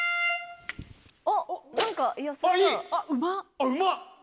あっうまっ！